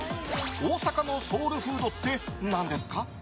大阪のソウルフードって何ですか？